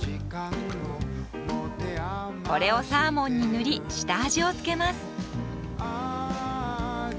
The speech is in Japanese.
これをサーモンに塗り下味を付けます。